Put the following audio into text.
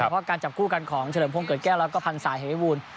เพราะการจับคู่กันของเฉลิมพงศเกิดแก้วแล้วก็พันศาเหวิบูล